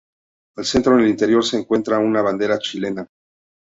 Al centro en el interior se encuentra una bandera chilena.